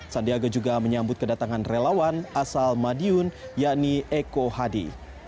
sandiaga juga menyambut kedatangan relawan asal madiun yakni eko hadi